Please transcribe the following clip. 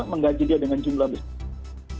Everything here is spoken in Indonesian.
menggaji dia dengan jumlah besar